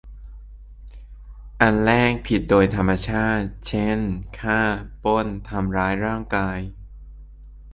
อันแรก ผิดโดยธรรมชาติ เช่น ฆ่า ปล้น ทำร้ายร่างกาย